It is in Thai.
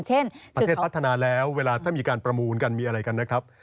ประเทศพัฒนาแล้วเวลาถ้ามีการประมูลกันมีอะไรกันนะครับ